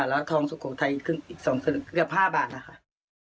แล้วทองสุโขทัยอีก๒บาทเกือบ๕บาทนะคะ